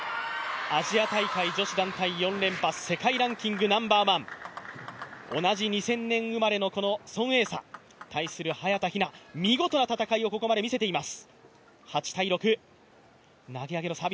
アジア大会女子団体４連覇、世界ランキングナンバー１、同じ２０００年生まれの孫エイ莎、対する早田ひな、見事な戦いをここまで見せています。